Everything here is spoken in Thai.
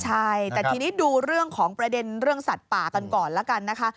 ใช่แต่ทีนี้ดูเรื่องของประเด็นเรื่องสัตว์ป่ากันก่อนแล้วกันนะคะ